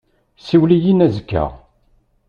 Siwel-iyi-n azekka.